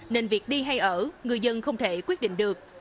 nên việc đi hay ở người dân không thể quyết định được